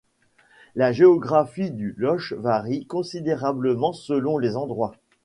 La géographie du loch varie considérablement selon les endroits.